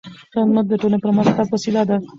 خدمت د ټولنې د پرمختګ وسیله ده.